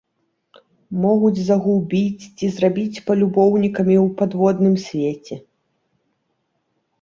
Могуць загубіць ці зрабіць палюбоўнікамі ў падводным свеце.